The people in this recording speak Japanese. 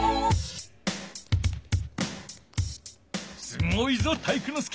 すごいぞ体育ノ介！